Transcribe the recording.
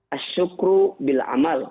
ashukru bil amal